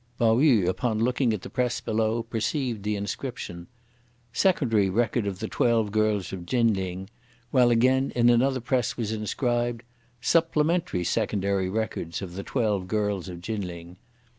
Pao yü upon looking at the press below, perceived the inscription: "Secondary Record of the twelve girls of Chin Ling;" while again in another press was inscribed: "Supplementary Secondary Record of the Twelve girls of Chin Ling."